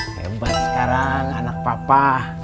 hebat sekarang anak papa